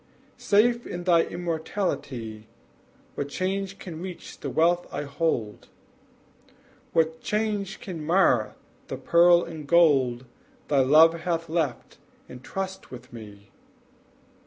Safe in thy immortality, What change can reach the wealth I hold? What chance can mar the pearl and gold Thy love hath left in trust with me?